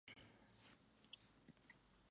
Las otras dos portadas son bastante más sencillas.